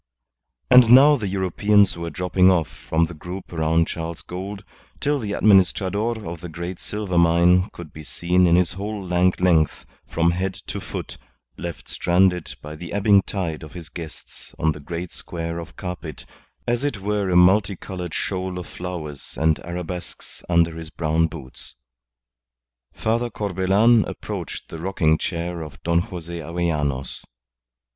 And now the Europeans were dropping off from the group around Charles Gould till the Administrador of the Great Silver Mine could be seen in his whole lank length, from head to foot, left stranded by the ebbing tide of his guests on the great square of carpet, as it were a multi coloured shoal of flowers and arabesques under his brown boots. Father Corbelan approached the rocking chair of Don Jose Avellanos.